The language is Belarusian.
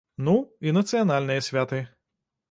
Ну, і нацыянальныя святы.